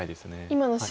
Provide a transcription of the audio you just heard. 今の白の。